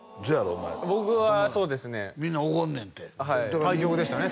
お前僕はそうですねみんなおごるねんて対極でしたね